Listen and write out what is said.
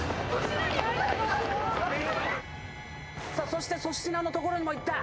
そして粗品の所にも行った。